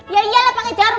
ya iyalah pakai jarum